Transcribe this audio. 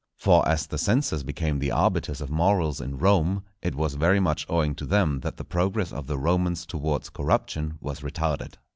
For as the censors became the arbiters of morals in Rome, it was very much owing to them that the progress of the Romans towards corruption was retarded.